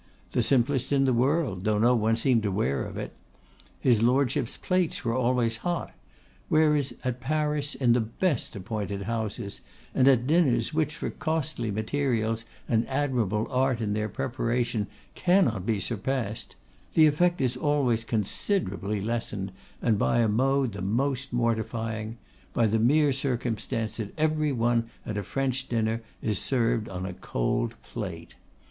The simplest in the world, though no one seemed aware of it. His Lordship's plates were always hot: whereas at Paris, in the best appointed houses, and at dinners which, for costly materials and admirable art in their preparation, cannot be surpassed, the effect is always considerably lessened, and by a mode the most mortifying: by the mere circumstance that every one at a French dinner is served on a cold plate.